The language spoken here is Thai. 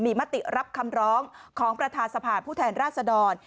มีมติรับคำร้องของประธานสภาผู้แทนราชดร